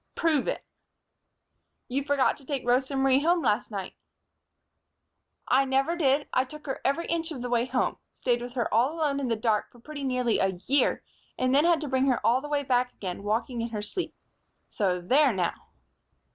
"Prove it." "You forgot to take Rosa Marie home last night." "I never did. I took her every inch of the way home, stayed with her all alone in the dark for pretty nearly a year, and then had to bring her all the way back again, walking in her sleep. So there, now!"